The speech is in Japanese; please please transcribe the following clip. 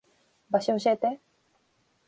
場所教えて。